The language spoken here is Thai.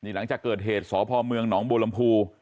หลังจากเกิดเหตุสพเมืองหนองบัวลำพู